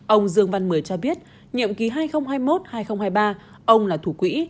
ông dương văn mười cho biết nhiệm ký hai nghìn hai mươi một hai nghìn hai mươi ba ông là thủ quỹ